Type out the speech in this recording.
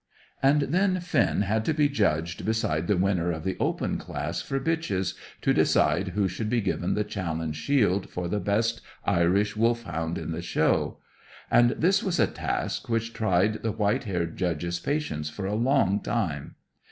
And then Finn had to be judged beside the winner in the Open class for bitches, to decide who should be given the Challenge Shield for the best Irish Wolfhound in the Show. And this was a task which tried the white haired Judge's patience for a long time.